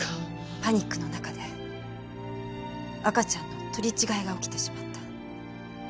パニックの中で赤ちゃんの取り違いが起きてしまった。